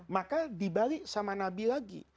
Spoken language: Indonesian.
maka dibalik sama nabi lagi